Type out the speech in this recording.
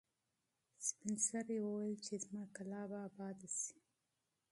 سپین سرې وویل چې زما کلا به اباده شي.